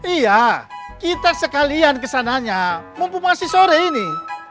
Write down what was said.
iya kita sekalian kesananya mumpung masih sore ini